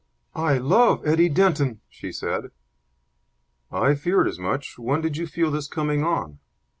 "I love Eddie Denton!" she said. "I feared as much. When did you feel this coming on?"